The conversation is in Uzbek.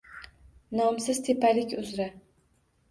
Nomsiz tepalik uzra